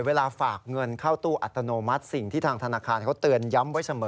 เวลาฝากเงินเข้าตู้อัตโนมัติสิ่งที่ทางธนาคารเขาเตือนย้ำไว้เสมอ